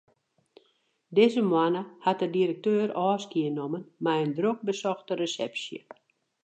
Dizze moanne hat de direkteur ôfskie nommen mei in drok besochte resepsje.